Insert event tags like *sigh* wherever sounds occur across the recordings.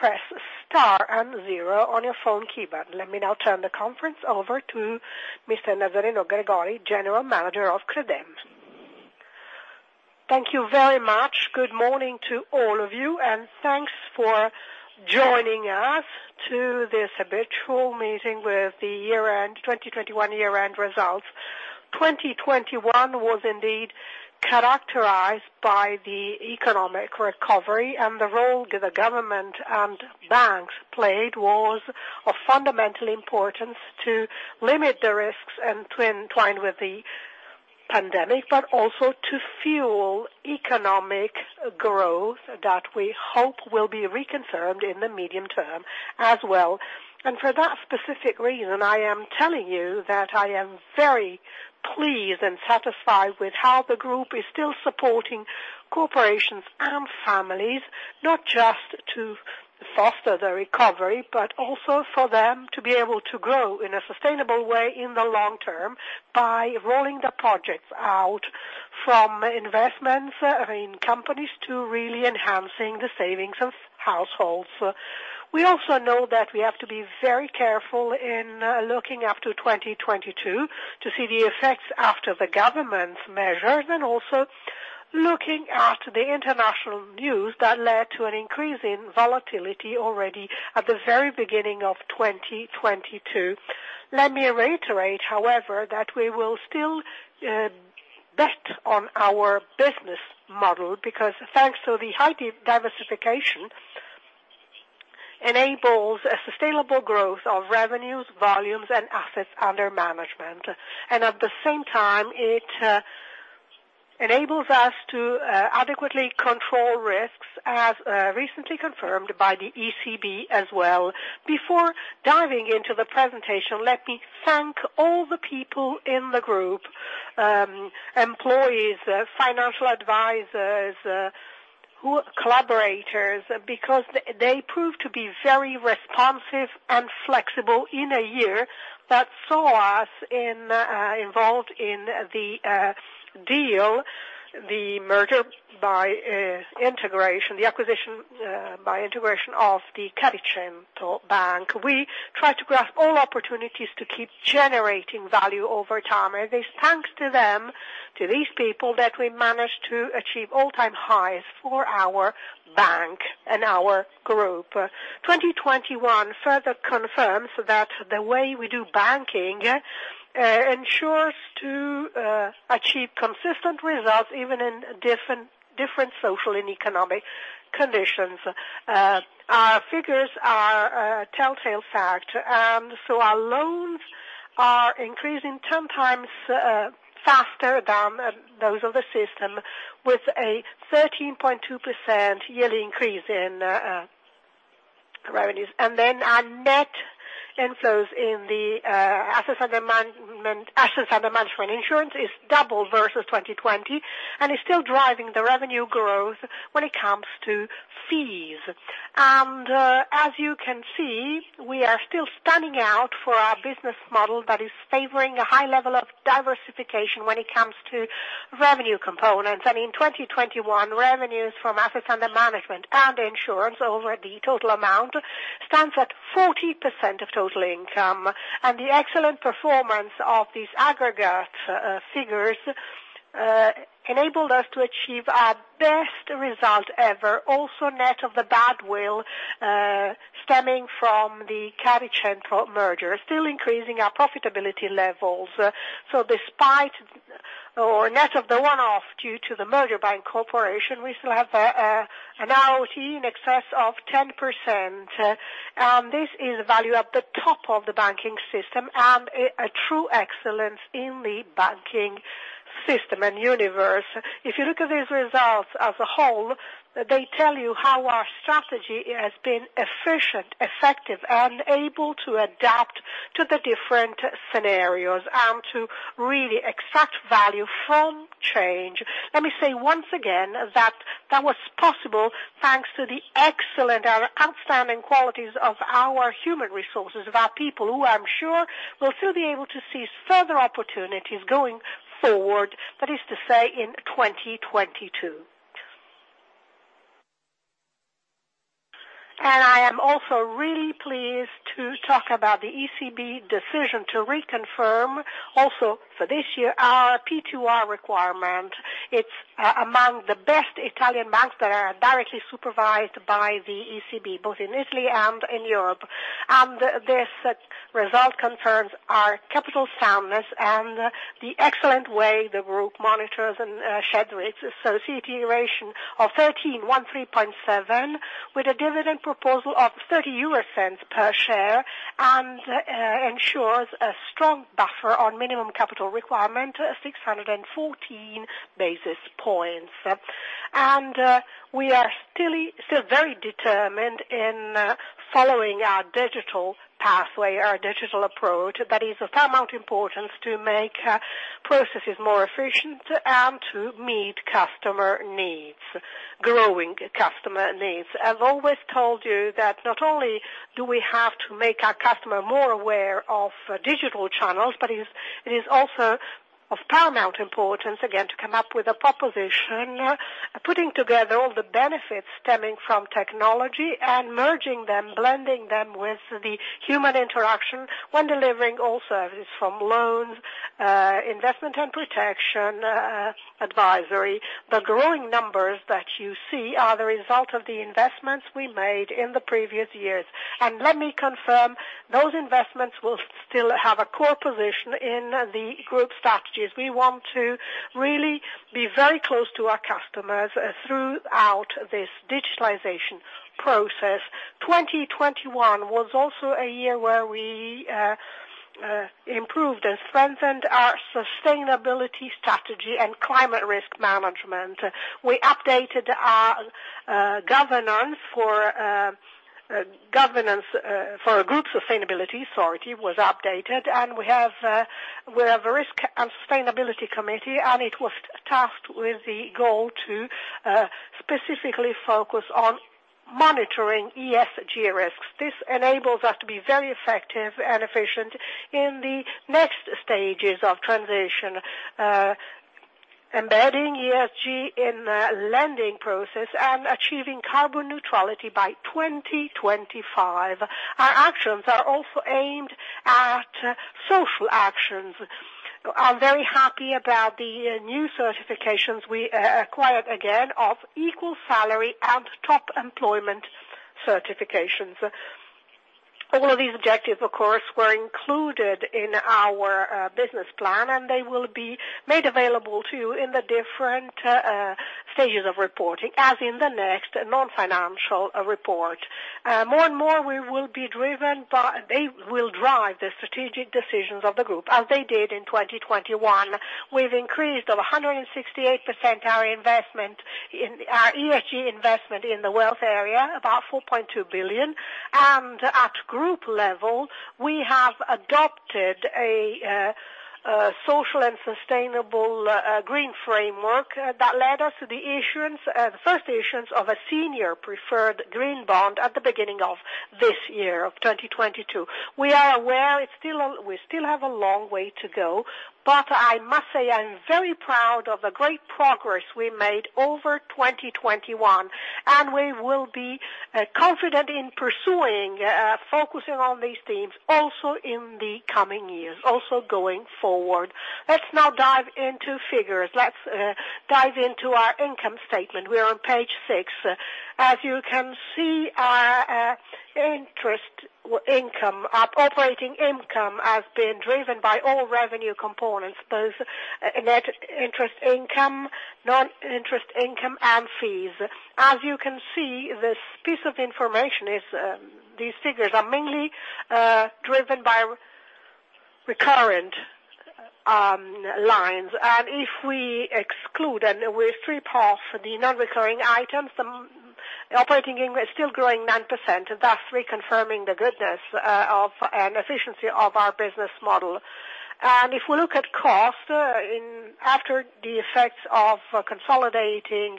Thank you very much. Good morning to all of you, and thanks for joining us to this habitual meeting with the year-end, 2021 year-end results. 2021 was indeed characterized by the economic recovery, and the role the government and banks played was of fundamental importance to limit the risks entwined with the pandemic, but also to fuel economic growth that we hope will be reconfirmed in the medium term as well. For that specific reason, I am telling you that I am very pleased and satisfied with how the group is still supporting corporations and families, not just to foster the recovery, but also for them to be able to grow in a sustainable way in the long term by rolling the projects out from investments in companies to really enhancing the savings of households. We also know that we have to be very careful in looking up to 2022 to see the effects after the government's measures and also looking at the international news that led to an increase in volatility already at the very beginning of 2022. Let me reiterate, however, that we will still bet on our business model, because thanks to the high diversification enables a sustainable growth of revenues, volumes, and assets under management. At the same time, it enables us to adequately control risks, as recently confirmed by the ECB as well. Before diving into the presentation, let me thank all the people in the group, employees, financial advisors, collaborators, because they prove to be very responsive and flexible in a year that saw us involved in the deal, the merger by integration, the acquisition by integration of Caricento bank. We try to grasp all opportunities to keep generating value over time. It is thanks to them, to these people, that we managed to achieve all-time highs for our bank and our group. 2021 further confirms that the way we do banking ensures to achieve consistent results, even in different social and economic conditions. Our figures are a telltale fact, and so our loans are increasing ten times faster than those of the system, with a 13.2% yearly increase in revenues. Our net inflows in the assets under management, assets under management insurance is double versus 2020 and is still driving the revenue growth when it comes to fees. As you can see, we are still standing out for our business model that is favoring a high level of diversification when it comes to revenue components. In 2021, revenues from assets under management and insurance over the total amount stands at 40% of total income. The excellent performance of these aggregate figures enabled us to achieve our best result ever, also net of the badwill stemming from the Caricento merger, still increasing our profitability levels. Despite or net of the one-off due to the merger by incorporation, we still have an ROTE in excess of 10%. This is a value at the top of the banking system and a true excellence in the banking system and universe. If you look at these results as a whole, they tell you how our strategy has been efficient, effective, and able to adapt to the different scenarios and to really extract value from change. Let me say once again that was possible thanks to the excellent and outstanding qualities of our human resources, of our people, who I'm sure will still be able to seize further opportunities going forward, that is to say, in 2022. I am also really pleased to talk about the ECB decision to reconfirm also for this year our P2R requirement. It's among the best Italian banks that are directly supervised by the ECB, both in Italy and in Europe. This result confirms our capital soundness and the excellent way the group monitors and sheds risk. CET1 ratio of 13.7, with a dividend proposal of $0.30 per share, ensures a strong buffer on minimum capital requirement of 614 basis points. We are still very determined in following our digital pathway, our digital approach, that is of paramount importance to make processes more efficient and to meet customer needs, growing customer needs. I've always told you that not only do we have to make our customer more aware of digital channels, but it is also of paramount importance, again, to come up with a proposition, putting together all the benefits stemming from technology and merging them, blending them with the human interaction when delivering all services from loans, investment and protection, advisory. The growing numbers that you see are the result of the investments we made in the previous years. Let me confirm, those investments will still have a core position in the group strategies. We want to really be very close to our customers throughout this digitalization process. 2021 was also a year where we improved and strengthened our sustainability strategy and climate risk management. We updated our governance for our group sustainability, sorry, it was updated, and we have a risk and sustainability committee, and it was tasked with the goal to specifically focus on monitoring ESG risks. This enables us to be very effective and efficient in the next stages of transition, embedding ESG in the lending process and achieving carbon neutrality by 2025. Our actions are also aimed at social actions. I'm very happy about the new certifications we acquired again of EQUAL-SALARY and Top Employer certifications. All of these objectives, of course, were included in our business plan, and they will be made available to you in the different stages of reporting, as in the next non-financial report. More and more, they will drive the strategic decisions of the group as they did in 2021. We've increased over 168% our ESG investment in the wealth area, about 4.2 billion. At group level, we have adopted a social and sustainable green framework that led us to the issuance, the first issuance of a Senior Preferred Green Bond at the beginning of this year, of 2022. We are aware we still have a long way to go, but I must say I'm very proud of the great progress we made over 2021, and we will be confident in pursuing focusing on these themes also in the coming years, also going forward. Let's now dive into figures. Let's dive into our income statement. We are on page six. As you can see our interest income, our operating income has been driven by all revenue components, both net interest income, non-interest income, and fees. As you can see, these figures are mainly driven by recurrent lines. If we exclude and strip off the non-recurring items, operating income is still growing 9%, thus reconfirming the goodness and efficiency of our business model. If we look at costs after the effects of consolidating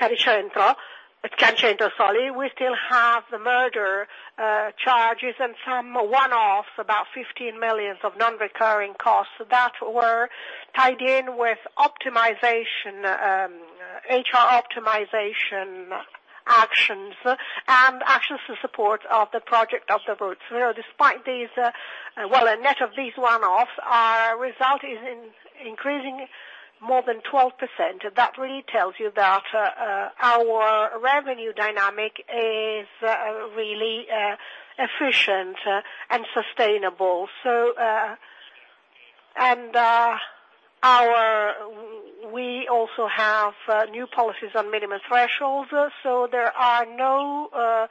Caricento, we still have the merger charges and some one-offs, about 15 million of non-recurring costs that were tied in with optimization, HR optimization actions and actions to support of the project of the roots. You know, despite these, a net of these one-offs, our result is increasing more than 12%. That really tells you that, our revenue dynamic is, really, efficient, and sustainable. We also have new policies on minimum thresholds, so there are no,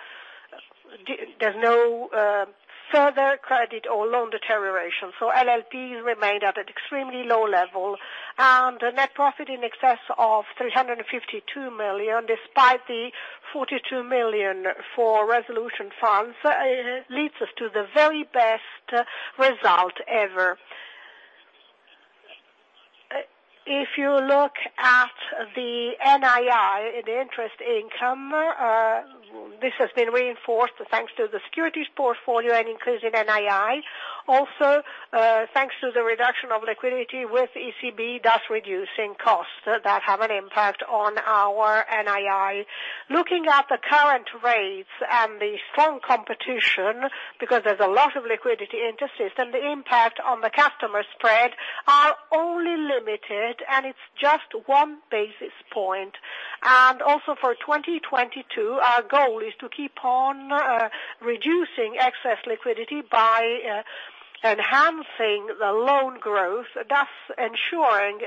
there's no, further credit or loan deterioration. LLPs remain at an extremely low level, and net profit in excess of 352 million, despite the 42 million for resolution funds, leads us to the very best result ever. If you look at the NII, the interest income, this has been reinforced thanks to the securities portfolio and increase in NII. Also, thanks to the reduction of liquidity with ECB, thus reducing costs that have an impact on our NII. Looking at the current rates and the strong competition, because there's a lot of liquidity in the system, the impact on the customer spread are only limited, and it's just 1 basis point. Also for 2022, our goal is to keep on reducing excess liquidity by enhancing the loan growth, thus ensuring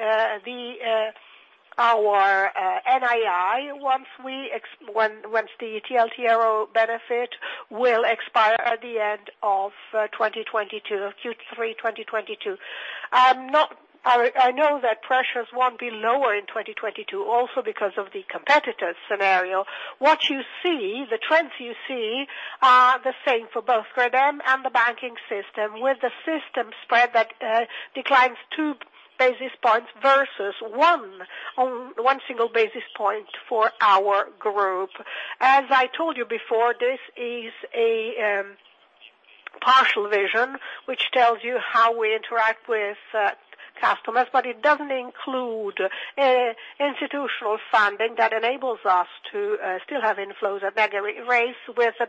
our NII once the TLTRO benefit will expire at the end of 2022, Q3 2022. I know that pressures won't be lower in 2022 also because of the competitor scenario. What you see, the trends you see are the same for both Credem and the banking system, with the system spread that declines 2 basis points versus 1 basis point for our group. As I told you before, this is a partial vision, which tells you how we interact with customers, but it doesn't include institutional funding that enables us to still have inflows at negative rates with a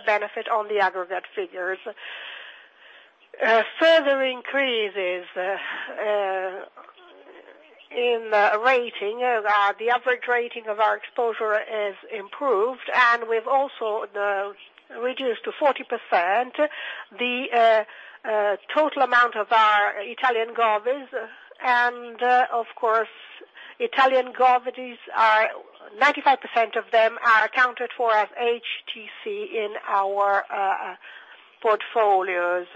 benefit on the aggregate figures. Further increases in rating, the average rating of our exposure is improved, and we've also reduced to 40% the total amount of our Italian govvies. Of course, Italian govvies are 95% of them accounted for as HTC in our portfolios,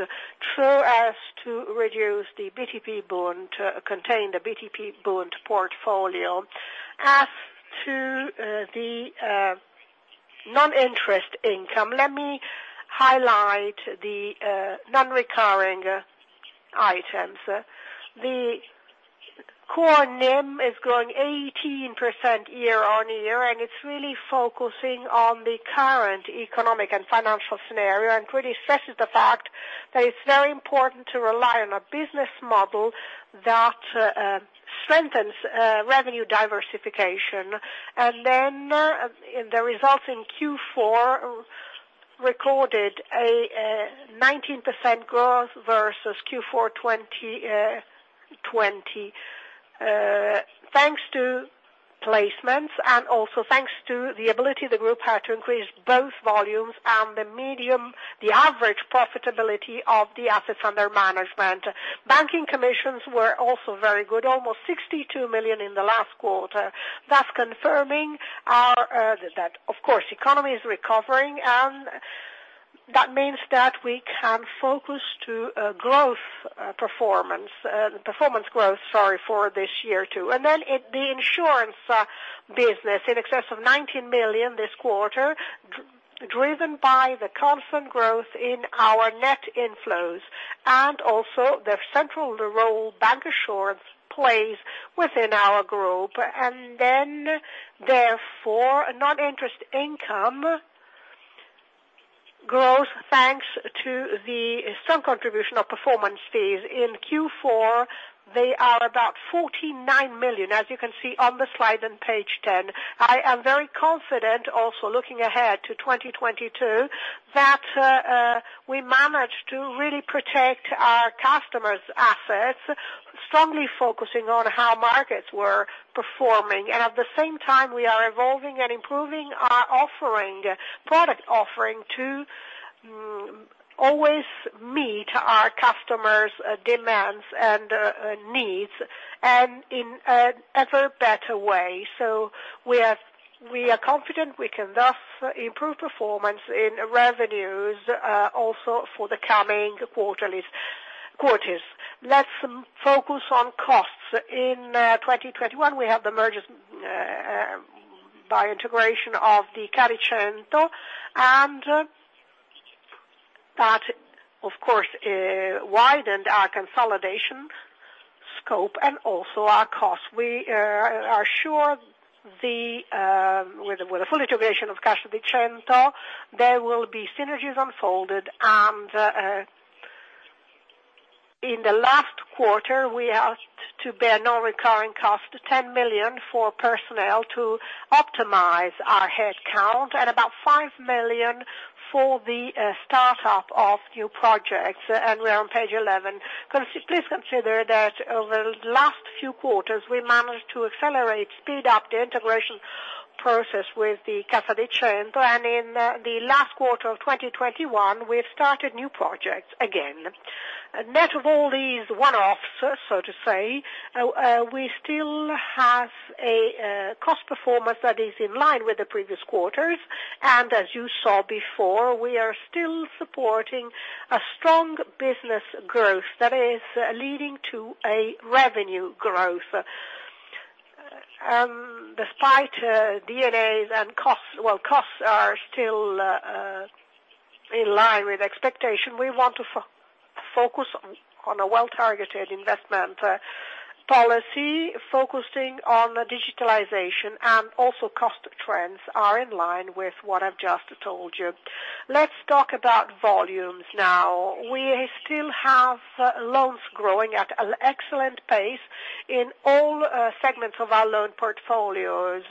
so as to reduce the BTP bond, contain the BTP bond portfolio. As to the non-interest income, let me highlight the non-recurring items. The core NIM is growing 18% year-on-year, and it's really focusing on the current economic and financial scenario, and really stresses the fact that it's very important to rely on a business model that strengthens revenue diversification. The results in Q4 recorded a 19% growth versus Q4 2020 thanks to placements and also thanks to the ability the group had to increase both volumes and the average profitability of the assets under management. Banking commissions were also very good, almost 62 million in the last quarter. That's confirming our that of course economy is recovering, and that means that we can focus to growth performance performance growth sorry for this year too. In the insurance business, in excess of 19 million this quarter, driven by the constant growth in our net inflows and also the central role bancassurance plays within our group. Therefore, non-interest income growth, thanks to the strong contribution of performance fees. In Q4, they are about 49 million, as you can see on the slide on page 10. I am very confident also looking ahead to 2022, that we managed to really protect our customers' assets, strongly focusing on how markets were performing. At the same time, we are evolving and improving our offering, product offering, to always meet our customers' demands and needs, and in an ever better way. We are confident we can thus improve performance in revenues also for the coming quarters. Let's focus on costs. In 2021, we have the mergers by integration of the Caricento, and that, of course, widened our consolidation scope and also our costs. We are sure that with the full integration of Caricento, there will be synergies unfolded. In the last quarter, we had to bear non-recurring cost, 10 million for personnel to optimize our head count and about 5 million for the start-up of new projects. We're on page 11. Please consider that over the last few quarters, we managed to accelerate, speed up the integration process with the Caricento. In the last quarter of 2021, we've started new projects again. Net of all these one-offs, so to say, we still have a cost performance that is in line with the previous quarters. As you saw before, we are still supporting a strong business growth that is leading to a revenue growth. Despite D&As and costs, well, costs are still in line with expectation, we want to focus on a well-targeted investment policy focusing on digitalization and also cost trends are in line with what I've just told you. Let's talk about volumes now. We still have loans growing at an excellent pace in all segments of our loan portfolios.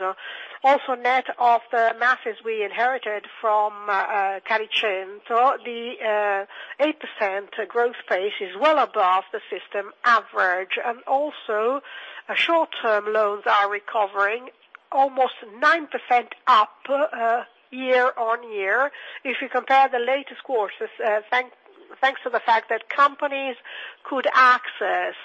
Also net of the masses we inherited from Caricento, the 8% growth pace is well above the system average. Also, short-term loans are recovering almost 9% up year-on-year. If you compare the latest quarters, thanks to the fact that companies could access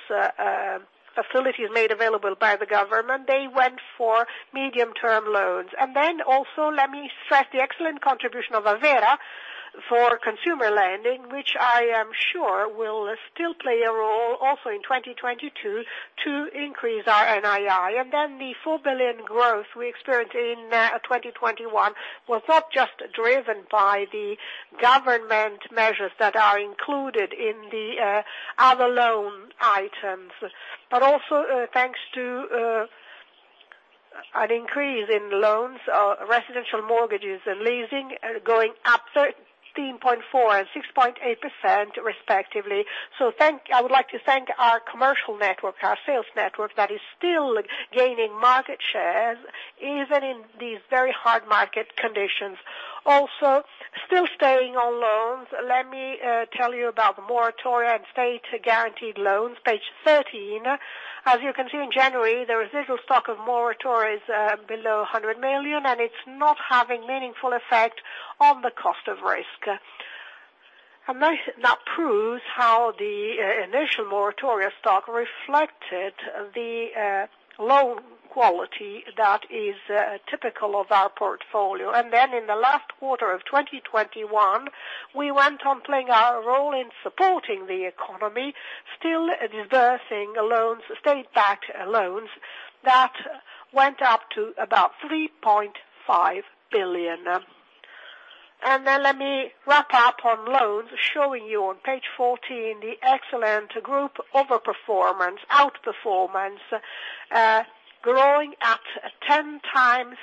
facilities made available by the government, they went for medium-term loans. Let me stress the excellent contribution of Avvera for consumer lending, which I am sure will still play a role also in 2022 to increase our NII. The 4 billion growth we experienced in 2021 was not just driven by the government measures that are included in the other loan items, but also thanks to an increase in loans, residential mortgages and leasing are going up 13.4% and 6.8% respectively. I would like to thank our commercial network, our sales network that is still gaining market share even in these very hard market conditions. Also, still staying on loans, let me tell you about the moratoria and state guaranteed loans, page 13. As you can see in January, the residual stock of moratoria is below 100 million and it's not having meaningful effect on the cost of risk. That proves how the initial moratoria stock reflected the loan quality that is typical of our portfolio. In the last quarter of 2021, we went on playing our role in supporting the economy, still disbursing loans, state-backed loans that went up to about 3.5 billion. Let me wrap up on loans, showing you on page 14 the excellent group outperformance, growing at 10x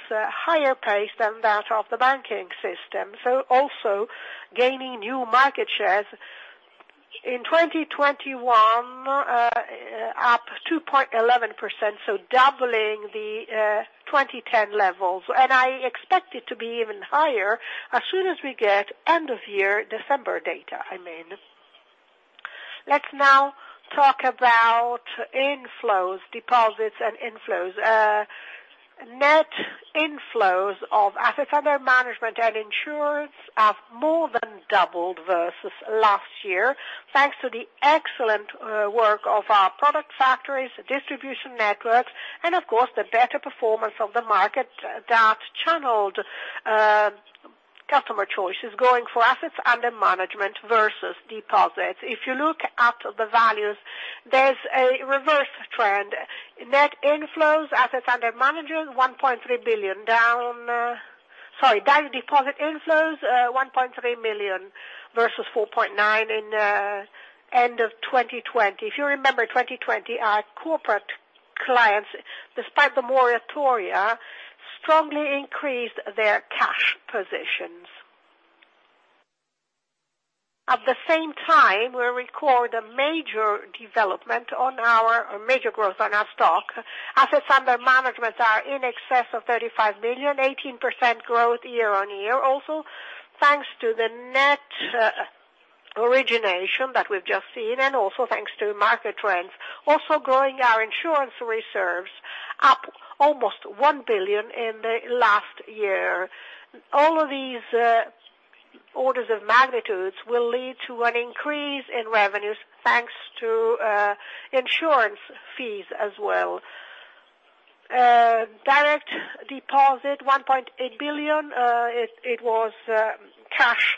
higher pace than that of the banking system. Also gaining new market shares. In 2021, up 2.11%, so doubling the 2010 levels. I expect it to be even higher as soon as we get end of year December data, I mean. Let's now talk about inflows, deposits and inflows. Net inflows of assets under management and insurance have more than doubled versus last year, thanks to the excellent work of our product factories, distribution networks, and of course, the better performance of the market that channeled customer choices going for assets under management versus deposits. If you look at the values, there's a reverse trend. Net inflows, assets under management, 1.3 billion, down. Sorry, direct deposit inflows, 1.3 million versus 4.9 million in end of 2020. If you remember 2020, our corporate clients, despite the moratoria, strongly increased their cash positions. At the same time, we record a major growth on our stock. Assets under management are in excess of 35 million, 18% growth year-over-year also, thanks to the net origination that we've just seen, and also thanks to market trends, also growing our insurance reserves up almost 1 billion in the last year. All of these orders of magnitudes will lead to an increase in revenues, thanks to insurance fees as well. Direct deposit, 1.8 billion. It was cash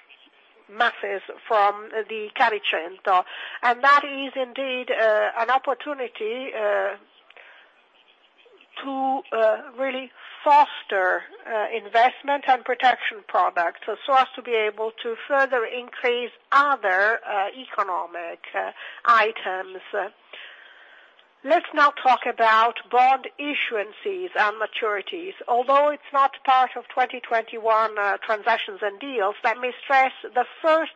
masses from the Caricento. That is indeed an opportunity to really foster investment and protection products so as to be able to further increase other economic items. Let's now talk about bond issuances and maturities. Although it's not part of 2021 transactions and deals, let me stress the first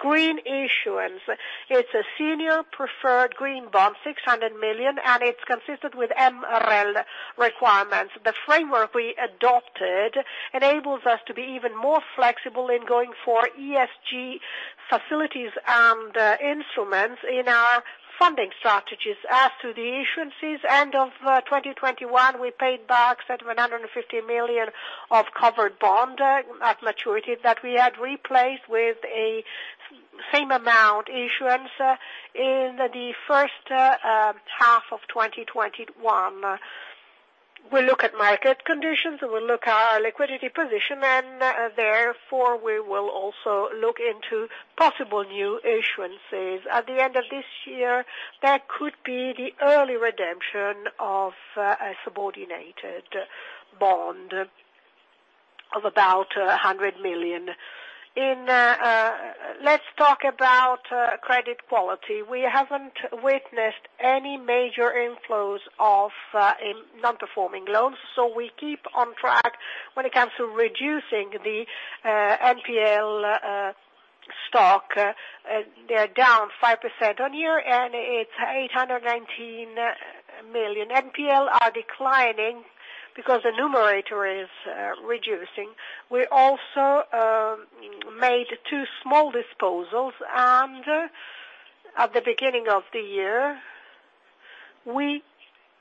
green issuance. It's a Senior Preferred Green Bond, 600 million, and it's consistent with MREL requirements. The framework we adopted enables us to be even more flexible in going for ESG facilities and instruments in our funding strategies. As to the issuances end of 2021, we paid back 750 million of covered bond at maturity that we had replaced with a same amount issuance in the first half of 2021. We look at market conditions, we look at our liquidity position, and therefore we will also look into possible new issuances. At the end of this year, there could be the early redemption of a subordinated bond of about 100 million. Let's talk about credit quality. We haven't witnessed any major inflows of non-performing loans, so we keep on track when it comes to reducing the NPL stock. They're down 5% on year, and it's 819 million. NPL are declining because the numerator is reducing. We also made two small disposals at the beginning of the year, we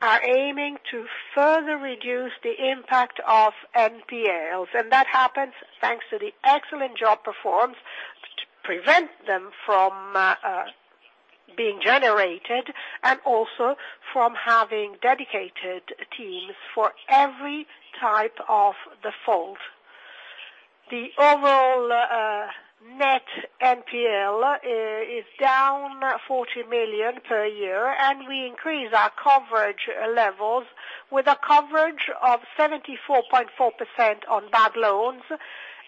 are aiming to further reduce the impact of NPLs. That happens thanks to the excellent job performance to prevent them from being generated and also from having dedicated teams for every type of default. The overall net NPL is down 40 million per year, and we increase our coverage levels with a coverage of 74.4% on bad loans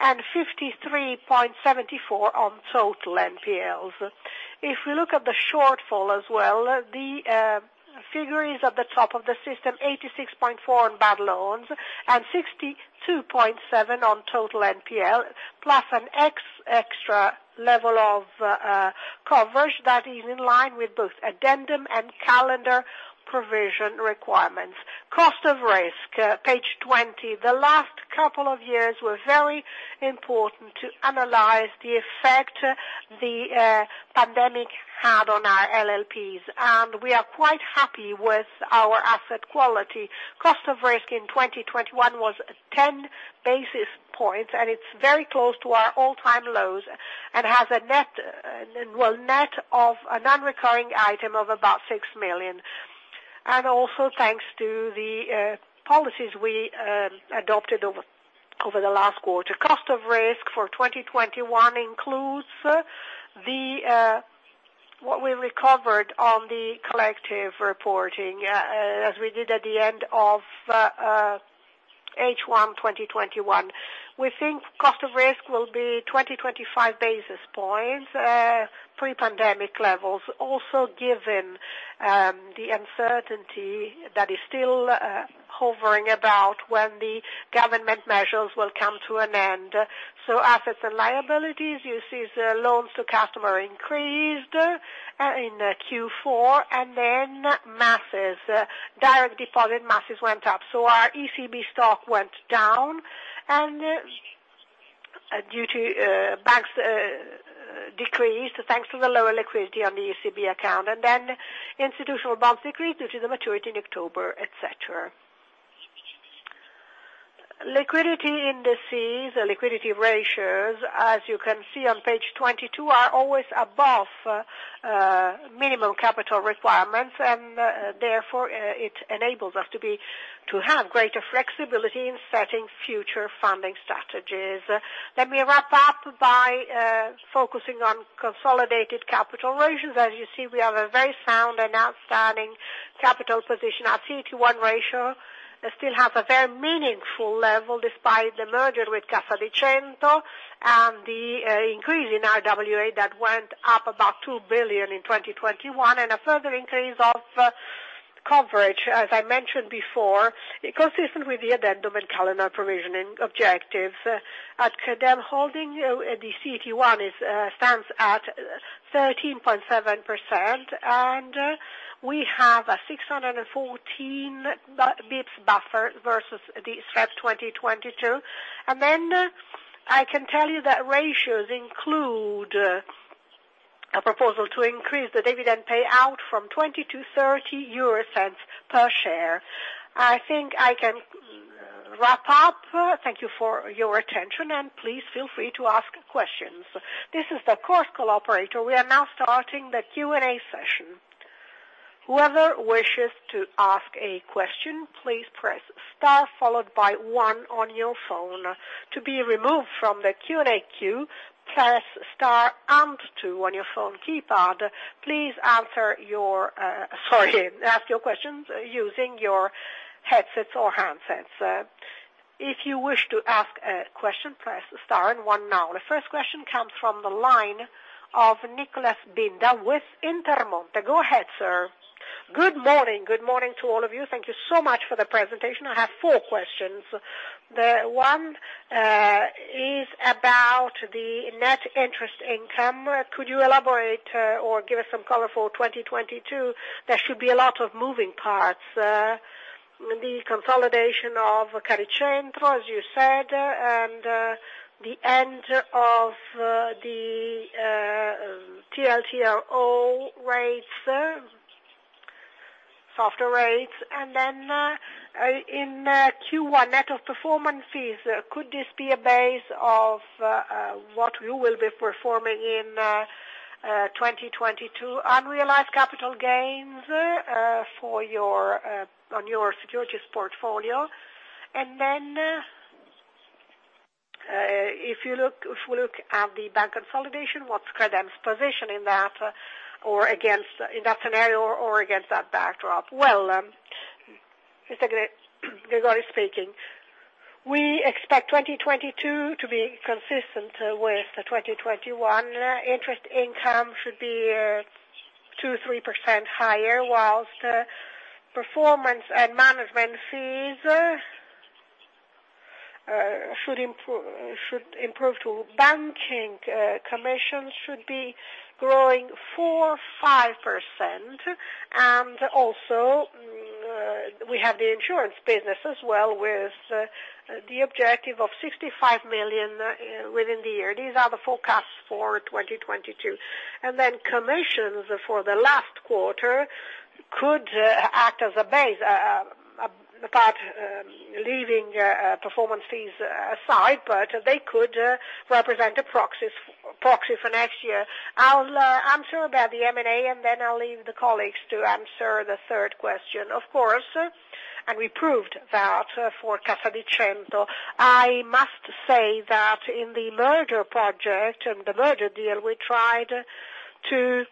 and 53.74% on total NPLs. If we look at the shortfall as well, the figure is at the top of the system, 86.4% in bad loans and 62.7% on total NPL+ an extra level of coverage that is in line with both Addendum and calendar provisioning requirements. Cost of risk, page 20. The last couple of years were very important to analyze the effect the pandemic had on our LLPs. We are quite happy with our asset quality. Cost of risk in 2021 was 10 basis points, and it's very close to our all-time lows and has a net, well, net of a non-recurring item of about 6 million. Thanks to the policies we adopted over the last quarter. Cost of risk for 2021 includes the what we recovered on the collective provisions as we did at the end of H1 2021. We think cost of risk will be 25 basis points pre-pandemic levels. Also given the uncertainty that is still hovering about when the government measures will come to an end. Assets and liabilities, you see the loans to customers increased in Q4, and then net assets, direct deposit net assets went up. Our ECB stock went down and due to balance sheet decrease, thanks to the lower liquidity on the ECB account, and then institutional bonds decreased due to the maturity in October, etc. Liquidity indices, liquidity ratios, as you can see on page 22, are always above minimum capital requirements, and therefore it enables us to have greater flexibility in setting future funding strategies. Let me wrap up by focusing on consolidated capital ratios. As you see, we have a very sound and outstanding capital position. Our CET1 ratio still has a very meaningful level despite the merger with Caricento and the increase in RWA that went up about 2 billion in 2021, and a further increase of coverage, as I mentioned before, consistent with the addendum and calendar provisioning objectives. At Credem Holding, the CET1 stands at 13.7%, and we have a 614 basis points buffer versus the SREP 2022. I can tell you that ratios include a proposal to increase the dividend payout from 0.20-0.30 euro per share. I think I can wrap up. Thank you for your attention, and please feel free to ask questions. This is the conference call operator. We are now starting the Q&A session. Whoever wishes to ask a question, please press star followed by one on your phone. To be removed from the Q&A queue, press star and two on your phone keypad. Please ask your questions using your headsets or handsets. If you wish to ask a question, press star and one now. The first question comes from the line of Nicholas Binda with Intermonte. Go ahead, sir. Good morning. Good morning to all of you. Thank you so much for the presentation. I have four questions. The one is about the net interest income. Could you elaborate or give us some color for 2022? There should be a lot of moving parts, the consolidation of Carige, as you said, and the end of the TLTRO rates, softer rates. In Q1 net of performance fees, could this be a base of what you will be performing in 2022, unrealized capital gains on your securities portfolio? If we look at the bank consolidation, what's Credem's position in that scenario or against that backdrop? Well, it's Gregori speaking. We expect 2022 to be consistent with 2021. Interest income should be 2%-3% higher, whilst performance and management fees should improve too. Banking commissions should be growing 4%-5%. We also have the insurance business as well with the objective of 65 million within the year. These are the forecasts for 2022. Commissions for the last quarter could act as a base, apart, leaving performance fees aside, but they could represent a proxy for next year. I'll answer about the M&A, and then I'll leave the colleagues to answer the third question. Of course, we proved that for Caricento. I must say that in the merger project and the merger deal, we tried to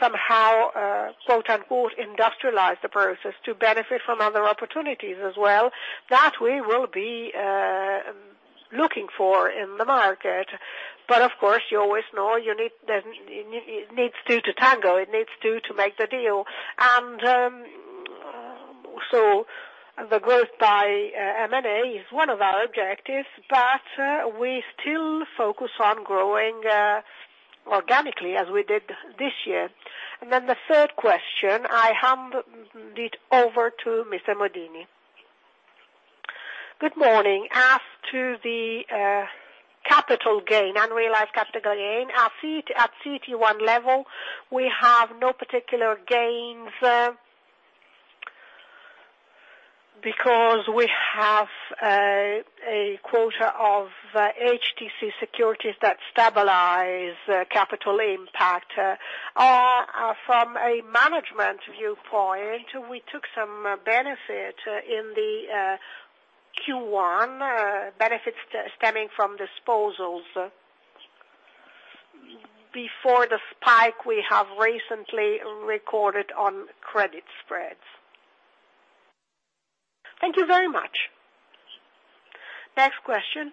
somehow quote-unquote industrialize the process to benefit from other opportunities as well. That way will be looking for in the market. But of course, you always know you need then, it needs two to tango. It needs two to make the deal. The growth by M&A is one of our objectives, but we still focus on growing organically as we did this year. The third question, I hand it over to Mr. Morlini. Good morning. As to the capital gain, unrealized capital gain, at CET1 level, we have no particular gains because we have a quota of HTC securities that stabilize the capital impact. From a management viewpoint, we took some benefit in the Q1, benefits stemming from disposals before the spike we have recently recorded on credit spreads. Thank you very much. Next question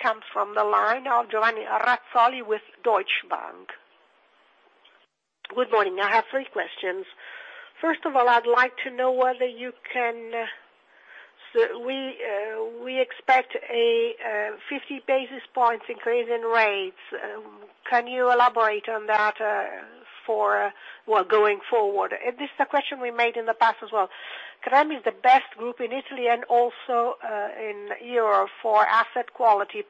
comes from the line of Giovanni Razzoli with Deutsche Bank. Good morning. I have three questions. First of all, I'd like to know whether you can-- We expect a 50 basis points increase in rates. Can you elaborate on that for going forward? This is a question we made in the past as well. Credem is the best group in Italy and also in Europe for asset quality,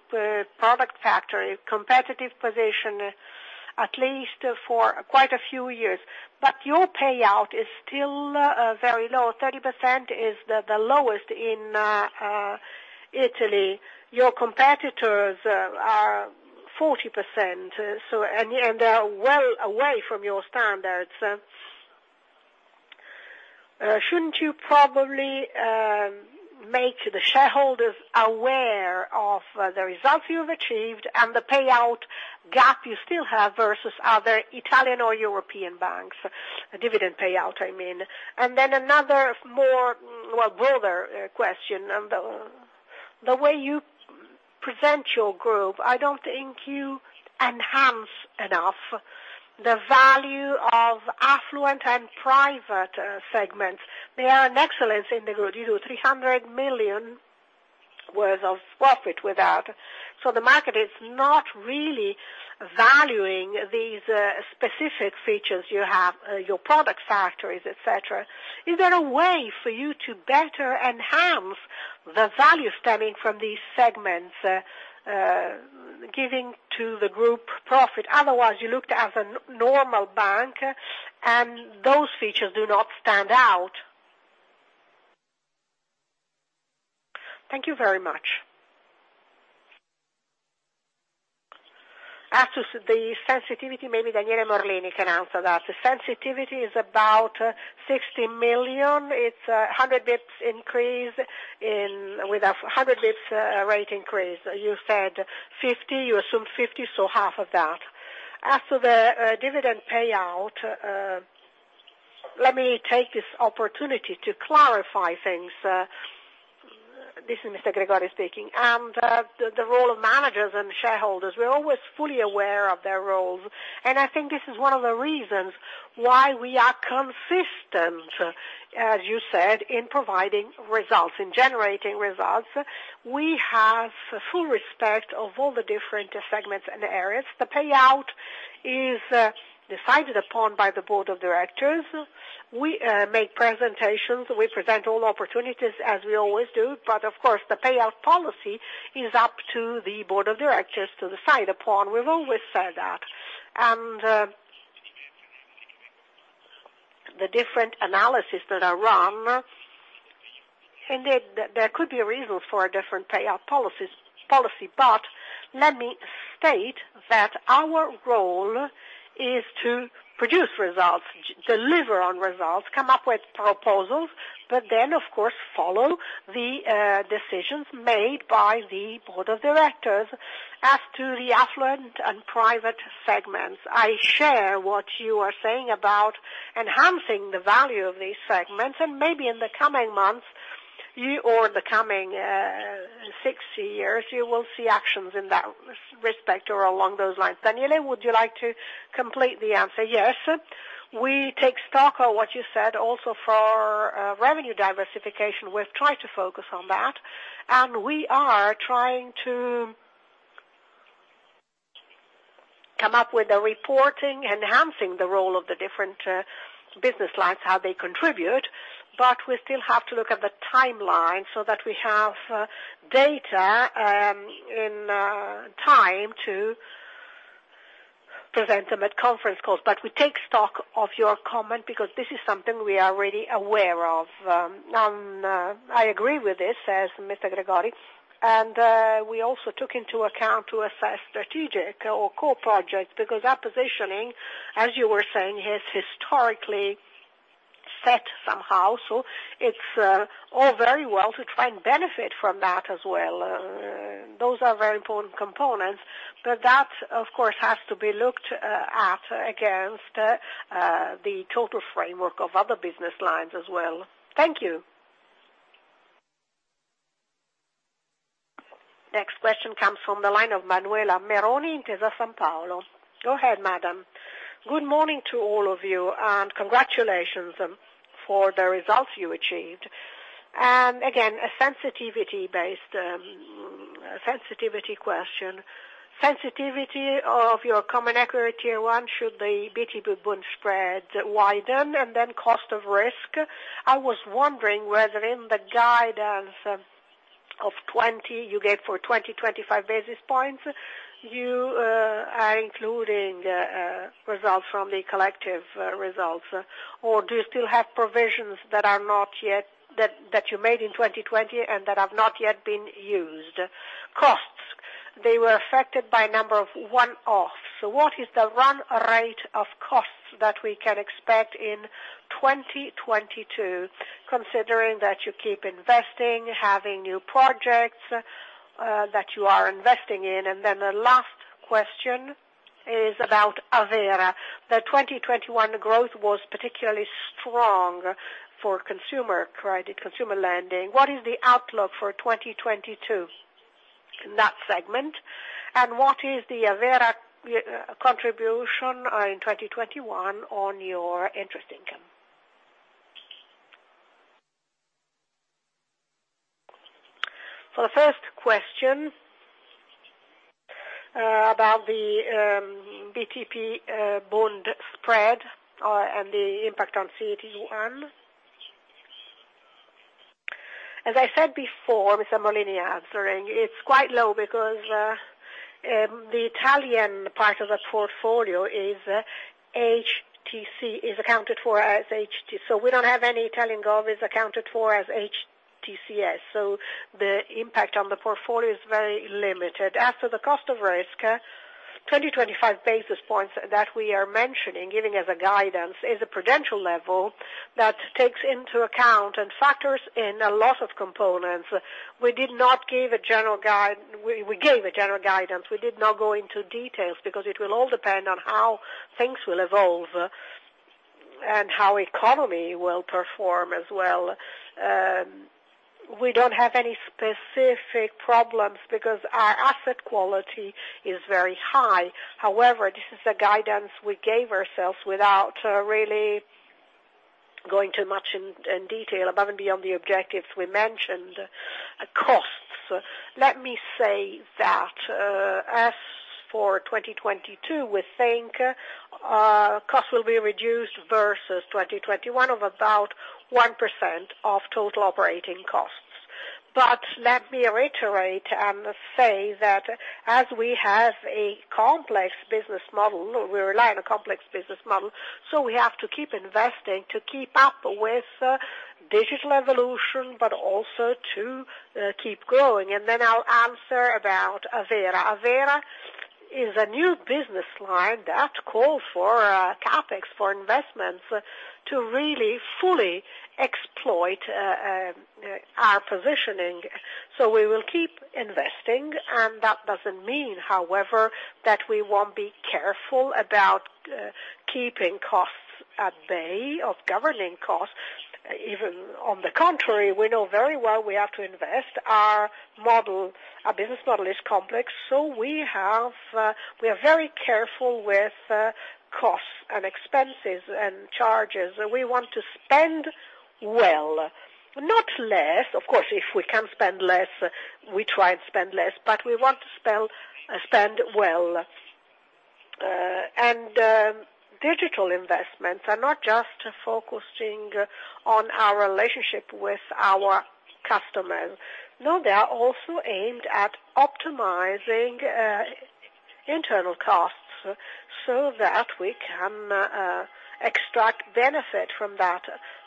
product factor, competitive position, at least for quite a few years. Your payout is still very low. 30% is the lowest in Italy. Your competitors are 40%, so and they are well away from your standards. Shouldn't you probably make the shareholders aware of the results you've achieved and the payout gap you still have versus other Italian or European banks? A dividend payout, I mean. Then another more broader question. The way you present your group, I don't think you enhance enough the value of affluent and private segments. They are an excellence in the group. You do 300 million worth of profit with that. The market is not really valuing these specific features you have, your product factories, etc. Is there a way for you to better enhance the value stemming from these segments, giving to the group profit? Otherwise, you looked as a normal bank, and those features do not stand out. Thank you very much. As to the sensitivity, maybe Daniele Morlini can answer that. The sensitivity is about 60 million. It's a 100 basis points increase with a 100 basis points rate increase. You said 50 basis points, you assume 50 basis points, so half of that. As to the dividend payout, let me take this opportunity to clarify things. This is Mr. Gregori speaking. The role of managers and shareholders, we're always fully aware of their roles, and I think this is one of the reasons why we are consistent, as you said, in providing results, in generating results. We have full respect of all the different segments and areas. The payout is decided upon by the Board of Directors. We make presentations, we present all opportunities as we always do, but of course, the payout policy is up to the Board of Directors to decide upon. We've always said that. The different analysis that are run, indeed, there could be a reason for a different payout policy. Let me state that our role is to produce results, deliver on results, come up with proposals, but then of course, follow the decisions made by the Board of Directors. As to the affluent and private segments, I share what you are saying about enhancing the value of these segments, and maybe in the coming months, or in the coming 60 years, you will see actions in that respect or along those lines. Daniele, would you like to complete the answer? Yes. We take stock of what you said also for revenue diversification. We've tried to focus on that, and we are trying to come up with a reporting enhancing the role of the different business lines, how they contribute, but we still have to look at the timeline so that we have data in time to present them at conference calls. We take stock of your comment because this is something we are already aware of. I agree with this, as Mr. Gregori, and we also took into account to assess strategic or core projects, because that positioning, as you were saying, is historically set somehow. It's all very well to try and benefit from that as well. Those are very important components, but that of course has to be looked at against the total framework of other business lines as well. Thank you. Next question comes from the line of Manuela Meroni, Intesa Sanpaolo. Go ahead, madam. Good morning to all of you, and congratulations for the results you achieved. Again, a sensitivity based sensitivity question. Sensitivity of your common equity one should the BTP bond spread widen and then cost of risk. I was wondering whether in the guidance of 20 you gave for 2025 basis points, you are including results from the collective results, or do you still have provisions that are not yet that you made in 2020 and that have not yet been used? Costs, they were affected by a number of one-offs. What is the run rate of costs that we can expect in 2022, considering that you keep investing, having new projects that you are investing in? Then the last question is about Avvera. The 2021 growth was particularly strong for consumer credit, consumer lending. What is the outlook for 2022 in that segment? And what is the Avvera contribution in 2021 on your interest income? For the first question, about the BTP bond spread and the impact on CET1. As I said before, Mr. Morlini answering, it's quite low because the Italian part of that portfolio is HTC, accounted for as HT. So we don't have any Italian govvies accounted for as HTCS. So the impact on the portfolio is very limited. As to the cost of risk, 25 basis points that we are mentioning, giving as a guidance is a prudential level that takes into account and factors in a lot of components. We did not give a general guide, we gave a general guidance. We did not go into details because it will all depend on how things will evolve, and how the economy will perform as well. We don't have any specific problems because our asset quality is very high. However, this is the guidance we gave ourselves without really going too much in detail above and beyond the objectives we mentioned. Costs, let me say that, as for 2022, we think costs will be reduced versus 2021 of about 1% of total operating costs. Let me reiterate and say that as we have a complex business model, we rely on a complex business model, so we have to keep investing to keep up with digital evolution, but also to keep growing. Then I'll answer about Avvera. Avvera is a new business line that calls for CapEx, for investments to really fully exploit our positioning. We will keep investing and that doesn't mean, however, that we won't be careful about keeping costs at bay of governing costs. Even on the contrary, we know very well we have to invest. Our model, our business model is complex, so we have, we are very careful with costs and expenses and charges. We want to spend well, not less. Of course, if we can spend less, we try and spend less, but we want to spend well. Digital investments are not just focusing on our relationship with our customers. No, they are also aimed at optimizing internal costs so that we can extract benefit from that.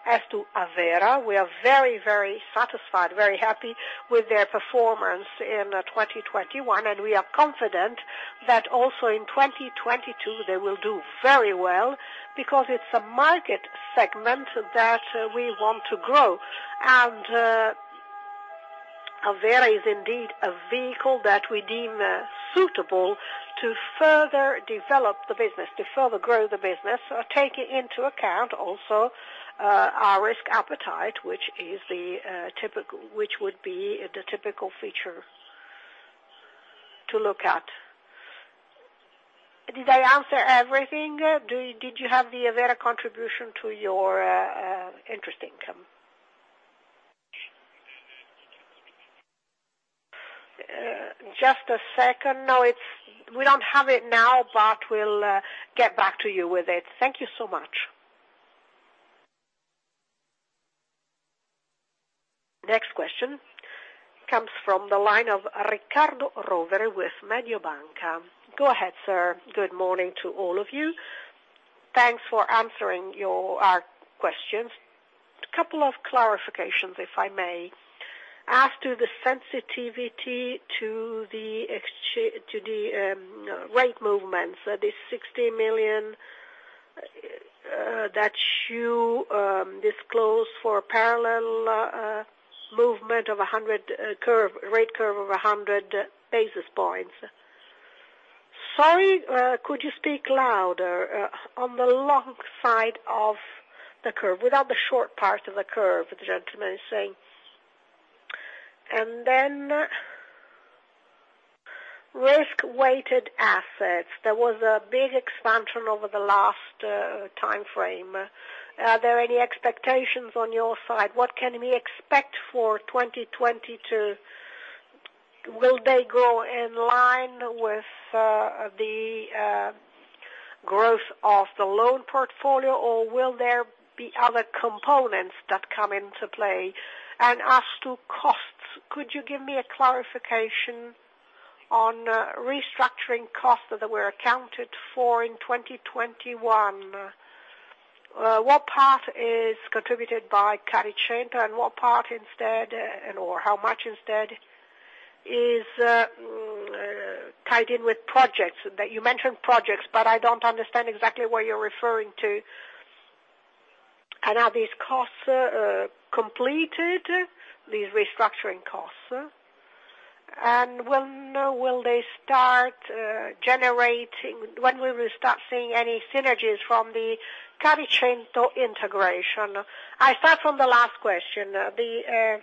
As to Avvera, we are very, very satisfied, very happy with their performance in 2021, and we are confident that also in 2022 they will do very well because it's a market segment that we want to grow. Avvera is indeed a vehicle that we deem suitable to further develop the business, to further grow the business, taking into account also our risk appetite, which would be the typical feature to look at. Did I answer everything? Did you have the Avvera contribution to your interest income? Just a second. No, it's we don't have it now, but we'll get back to you with it. Thank you so much. Next question comes from the line of Riccardo Rovere with Mediobanca. Go ahead, sir. Good morning to all of you. Thanks for answering our questions. A couple of clarifications, if I may. As to the sensitivity to the rate movements, the 60 million that you disclose for parallel movement of a 100 rate curve of 100 basis points. "Sorry, could you speak louder on the long side of the curve without the short part of the curve?" the gentleman is saying. Risk-weighted assets, there was a big expansion over the last timeframe. Are there any expectations on your side? What can we expect for 2022? Will they grow in line with the growth of the loan portfolio, or will there be other components that come into play? As to costs, could you give me a clarification on restructuring costs that were accounted for in 2021? What part is contributed by Caricento, and what part instead, and/or how much instead is tied in with projects? That you mentioned projects, but I don't understand exactly what you're referring to. Are these costs completed, these restructuring costs? When will we start seeing any synergies from the Caricento integration? I start from the last question. The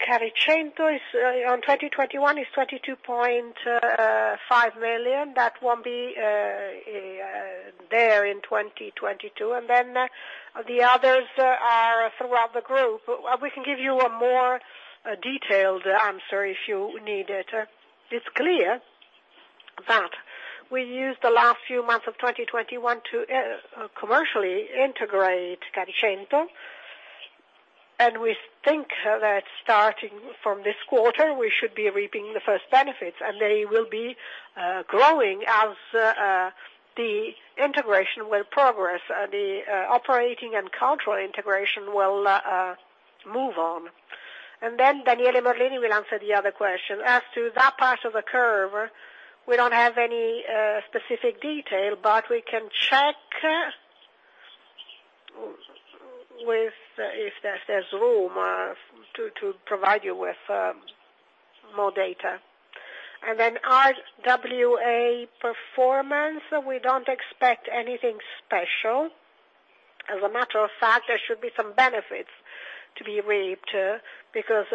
Caricento is on 2021 22.5 million. That won't be there in 2022, and then the others are throughout the group. We can give you a more detailed answer if you need it. It's clear that we used the last few months of 2021 to commercially integrate Caricento, and we think that starting from this quarter, we should be reaping the first benefits. They will be growing as the integration will progress, the operating and control integration will move on. Daniele Morlini will answer the other question. As to that part of the curve, we don't have any specific detail, but we can check with if there's room to provide you with more data. RWA performance, we don't expect anything special. As a matter of fact, there should be some benefits to be reaped because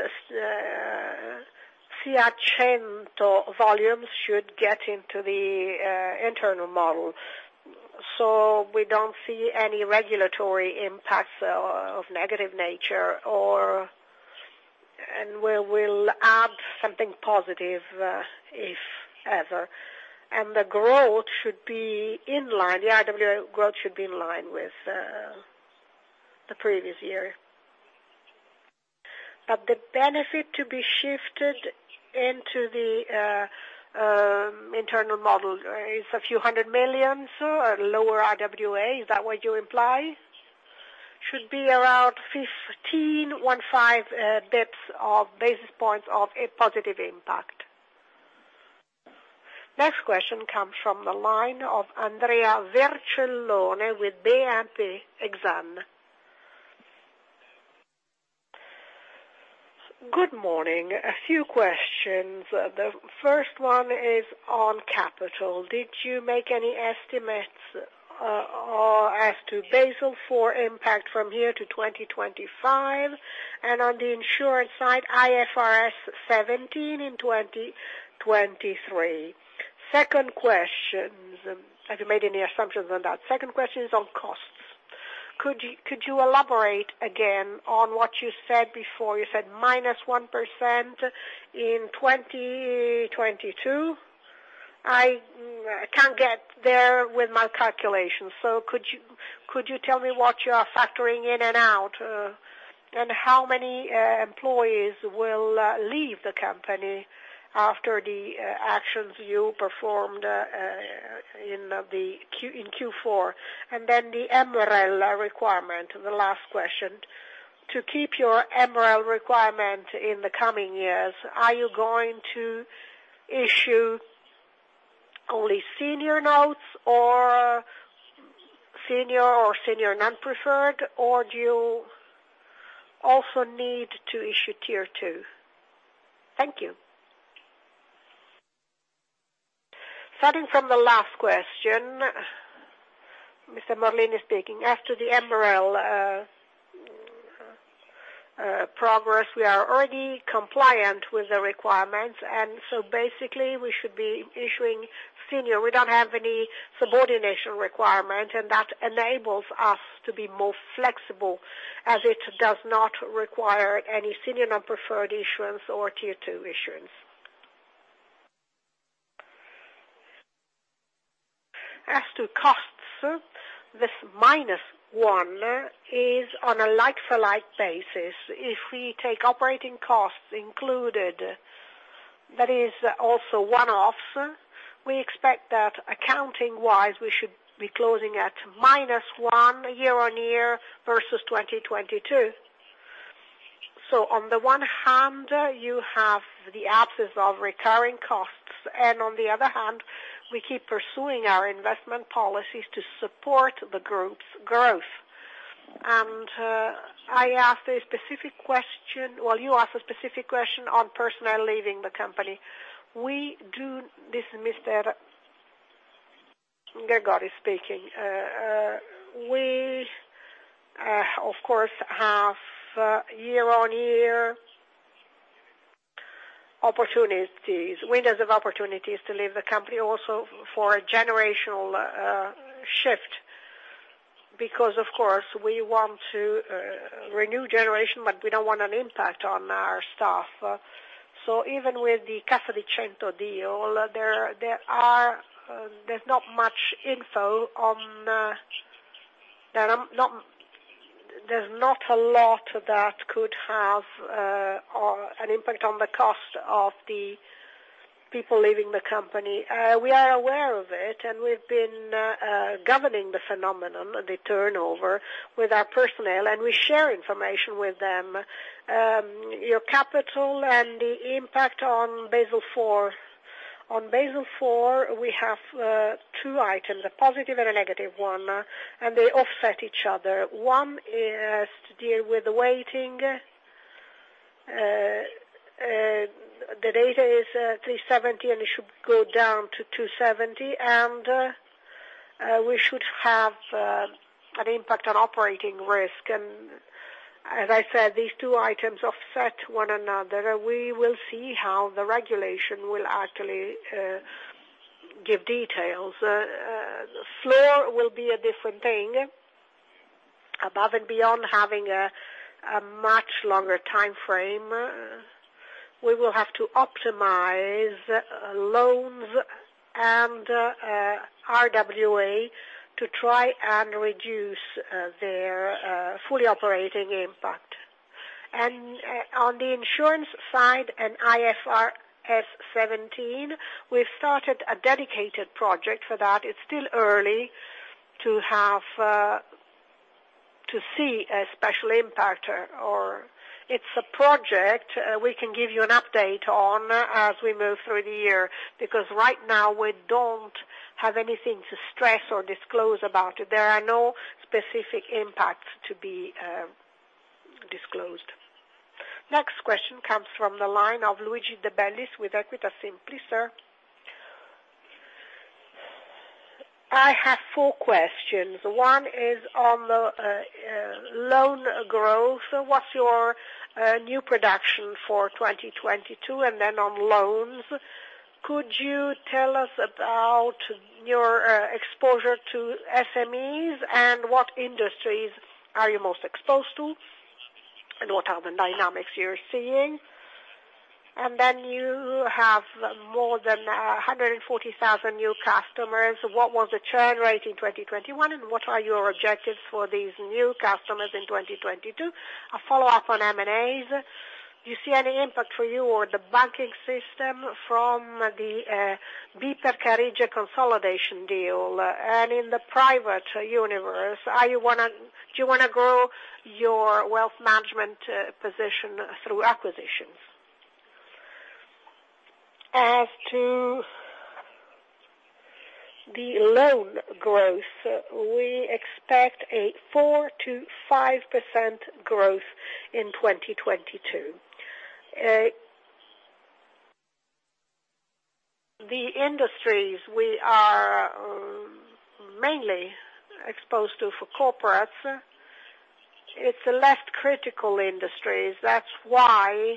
Caricento volumes should get into the internal model, so we don't see any regulatory impacts of negative nature or. We will add something positive, if ever. The growth should be in line, the RWA growth should be in line with the previous year. The benefit to be shifted into the internal model is a few 100 million, so a lower RWA. Is that what you imply? Should be around 15 basis points of a positive impact. Next question comes from the line of Andrea Vercellone with BNP Exane. Good morning. A few questions. The first one is on capital. Did you make any estimates or as to Basel IV impact from here to 2025? And on the insurance side, IFRS 17 in 2023. Second question, have you made any assumptions on that? Second question is on costs. Could you elaborate again on what you said before? You said -1% in 2022. I can't get there with my calculations, so could you tell me what you are factoring in and out, and how many employees will leave the company after the actions you performed in Q4? Then the MREL requirement, the last question. To keep your MREL requirement in the coming years, are you going to issue only senior notes or senior/senior non-preferred, or do you also need to issue Tier 2? Thank you. Starting from the last question, Mr. Morlini speaking. As to the MREL progress, we are already compliant with the requirements. Basically we should be issuing senior. We don't have any subordination requirement, and that enables us to be more flexible, as it does not require any senior non-preferred issuance or Tier 2 issuance. As to costs, this -1% is on a like-for-like basis. If we take operating costs included, that is also one-offs, we expect that accounting-wise we should be closing at -1% year-on-year versus 2022. On the one hand, you have the absence of recurring costs, and on the other hand, we keep pursuing our investment policies to support the group's growth. You asked a specific question on personnel leaving the company. We do dismiss that. *inaudible* speaking. We of course have year-on-year opportunities, windows of opportunities to leave the company also for a generational shift, because of course, we want to renew generation, but we don't want an impact on our staff. Even with the Caricento deal, there is not much info on or an impact on the cost of the people leaving the company. We are aware of it, and we've been governing the phenomenon, the turnover with our personnel, and we share information with them. Your capital and the impact on Basel IV. On Basel IV, we have two items, a positive and a negative one, and they offset each other. One is to deal with the weighting. The data is 370, and it should go down to 270. We should have an impact on operating risk. As I said, these two items offset one another. We will see how the regulation will actually give details. Floor will be a different thing. Above and beyond having a much longer time frame, we will have to optimize loans and RWA to try and reduce their fully operating impact. On the insurance side and IFRS 17, we've started a dedicated project for that. It's still early to have to see a specific impact or it's a project we can give you an update on as we move through the year, because right now we don't have anything to stress or disclose about it. There are no specific impacts to be disclosed. Next question comes from the line of Luigi De Bellis with Equita SIM. Please, sir. I have four questions. One is on the loan growth. What's your new production for 2022? On loans, could you tell us about your exposure to SMEs and what industries are you most exposed to, and what are the dynamics you're seeing? You have more than 140,000 new customers. What was the churn rate in 2021, and what are your objectives for these new customers in 2022? A follow up on M&As. Do you see any impact for you or the banking system from the BPER Carige consolidation deal? In the private universe, do you wanna grow your wealth management position through acquisitions? As to the loan growth, we expect a 4%-5% growth in 2022. The industries we are mainly exposed to for corporates, it's a less critical industries. That's why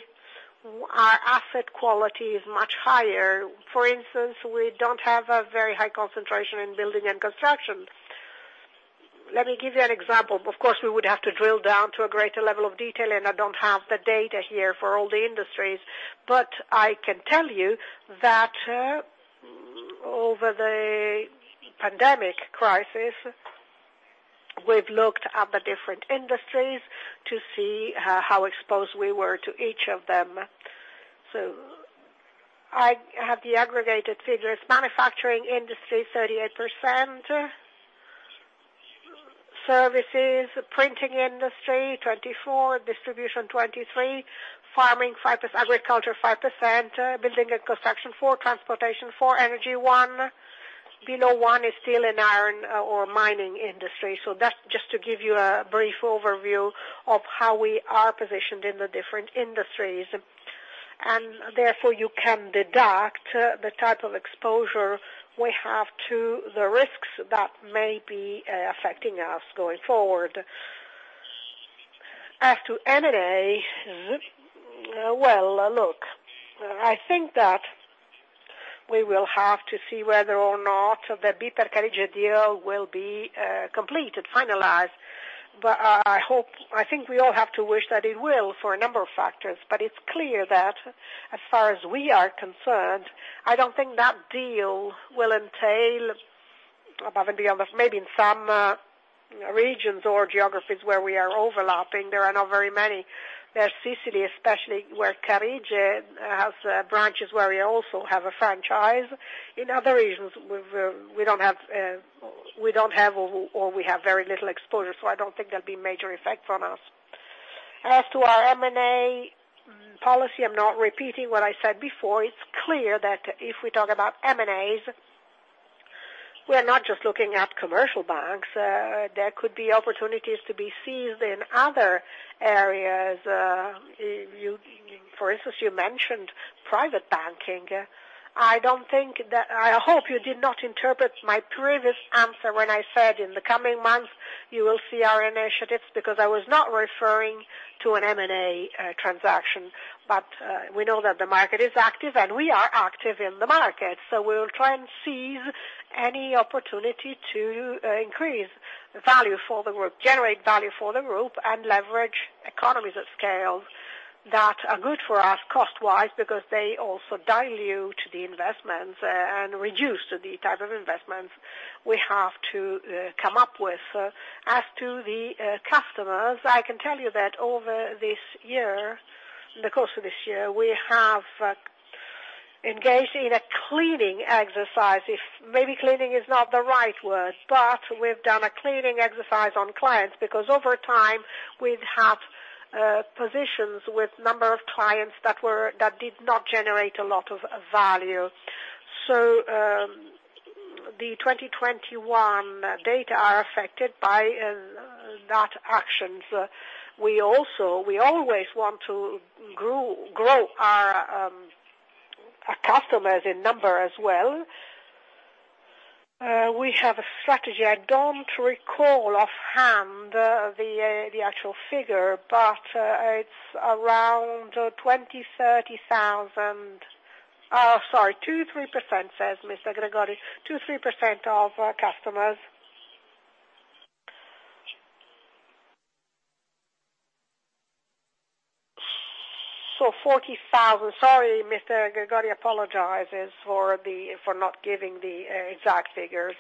our asset quality is much higher. For instance, we don't have a very high concentration in building and construction. Let me give you an example. Of course, we would have to drill down to a greater level of detail, and I don't have the data here for all the industries, but I can tell you that, over the pandemic crisis, we've looked at the different industries to see how exposed we were to each of them. I have the aggregated figures. Manufacturing industry, 38%. Services, printing industry, 24%. Distribution, 23%. Farming, 5%. Agriculture, 5%. Building and construction, 4%. Transportation, 4%. Energy, 1%. We know one is steel and iron or mining industry. That's just to give you a brief overview of how we are positioned in the different industries, and therefore you can deduce the type of exposure we have to the risks that may be affecting us going forward. As to M&A, well, look, I think that we will have to see whether or not the BPER Carige deal will be completed, finalized. I hope, I think we all have to wish that it will for a number of factors. It's clear that as far as we are concerned, I don't think that deal will entail above and beyond. Maybe in some regions or geographies where we are overlapping, there are not very many. There's [Sicily] especially, where Carige has branches, where we also have a franchise. In other regions, we don't have or we have very little exposure, so I don't think there'll be major effect on us. As to our M&A policy, I'm not repeating what I said before. It's clear that if we talk about M&As, we're not just looking at commercial banks. There could be opportunities to be seized in other areas. For instance, you mentioned private banking. I don't think that. I hope you did not interpret my previous answer when I said in the coming months you will see our initiatives because I was not referring to an M&A transaction. We know that the market is active, and we are active in the market, so we will try and seize any opportunity to increase value for the group, generate value for the group, and leverage economies of scale that are good for us cost-wise because they also dilute the investments and reduce the type of investments we have to come up with. As to the customers, I can tell you that over this year, in the course of this year, we have engaged in a cleaning exercise. If maybe cleaning is not the right word, but we've done a cleaning exercise on clients because over time we've had positions with number of clients that did not generate a lot of value. The 2021 data are affected by those actions. We also-- we always want to grow our customers in number as well. We have a strategy. I don't recall offhand the actual figure, but it's around 20,000, 30,000. Sorry, 2%-3%, says Mr. Gregori. 2%-3% of our customers. So 40,000. Sorry, Mr. Gregori apologizes for not giving the exact figures.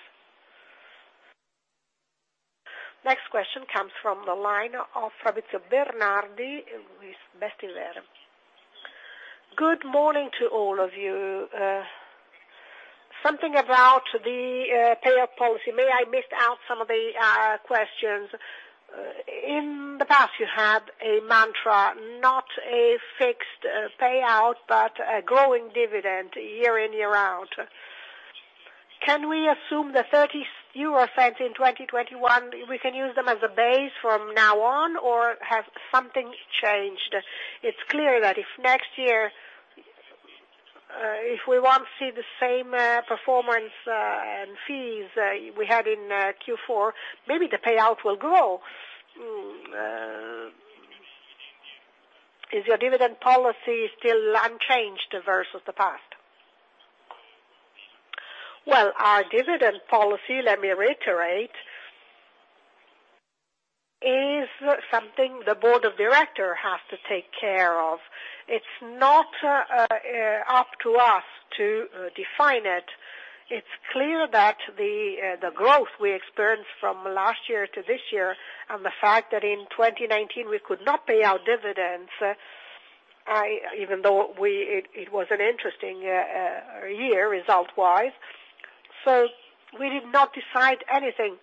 Next question comes from the line of Fabrizio Bernardi with Bestinver. Good morning to all of you. Something about the payout policy. May I missed out some of the questions. In the past you had a mantra, not a fixed payout, but a growing dividend year in, year out. Can we assume the 0.30 in 2021, we can use them as a base from now on, or has something changed? It's clear that if next year, if we won't see the same, performance, and fees, we had in Q4, maybe the payout will grow. Is your dividend policy still unchanged versus the past? Well, our dividend policy, let me reiterate, is something the Board of Director has to take care of. It's not up to us to define it. It's clear that the growth we experienced from last year to this year and the fact that in 2019 we could not pay out dividends, even though it was an interesting year result-wise. We did not decide anything.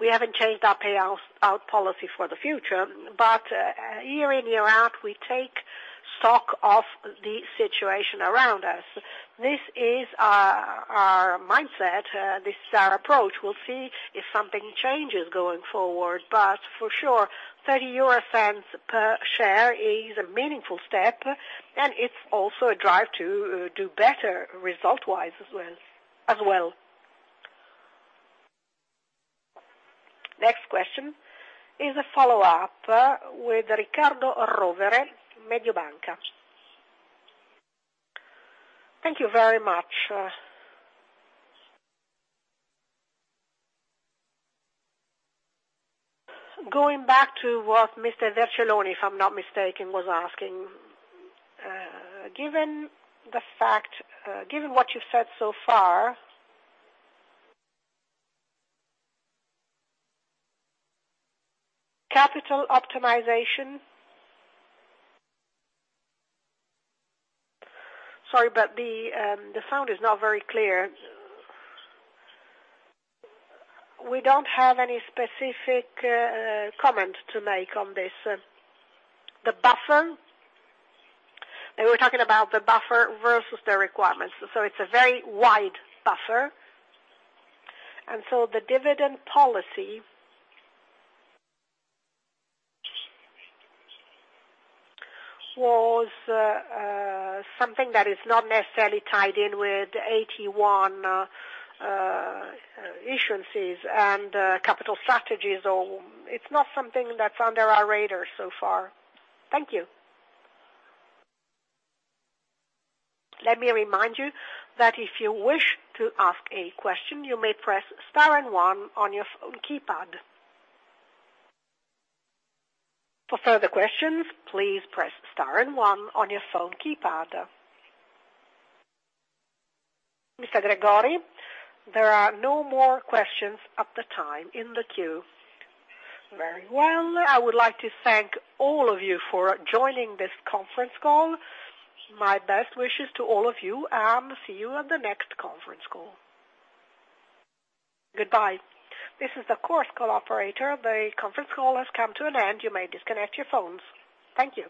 We haven't changed our payout policy for the future. Year in, year out, we take stock of the situation around us. This is our mindset. This is our approach. We'll see if something changes going forward. For sure, 0.30 per share is a meaningful step, and it's also a drive to do better result-wise as well. Next question is a follow-up with Riccardo Rovere, Mediobanca. Thank you very much. Going back to what Mr. Vercellone, if I'm not mistaken, was asking. Given the fact, given what you've said so far, capital optimization. Sorry, the sound is not very clear. We don't have any specific comment to make on this. The buffer? They were talking about the buffer versus the requirements. It's a very wide buffer. The dividend policy was something that is not necessarily tied in with AT1 issuances and capital strategies, or it's not something that's under our radar so far. Thank you. Let me remind you that if you wish to ask a question, you may press star and one on your phone keypad. For further questions, please press star and one on your phone keypad. Mr. Gregori, there are no more questions at this time in the queue. Very well. I would like to thank all of you for joining this conference call. My best wishes to all of you, and see you on the next conference call. Goodbye. This is the conference call operator. The conference call has come to an end. You may disconnect your phones. Thank you.